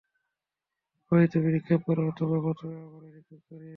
হয় তুমি নিক্ষেপ কর অথবা প্রথমে আমরাই নিক্ষেপ করি।